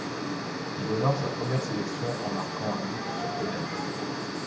Il honore sa première sélection en marquant un but sur pénalty.